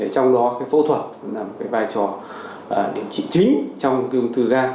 trong đó phẫu thuật là một vai trò điều trị chính trong ung thư gan